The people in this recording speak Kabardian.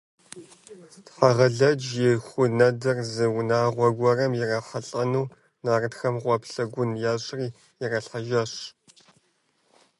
Тхьэгъэлэдж и ху нэдыр зы унагъуэ гуэрым ирахьэлӀэну, нартхэм гъуаплъэ гуэн ящӀри иралъхьэжащ.